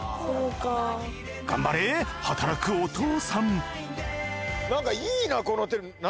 頑張れ働くお父さん！